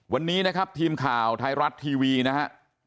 วันนี้นะครับทีมข่าวไทยรัฐทีวีนะฮะ